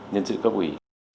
nhân sự cấp quỷ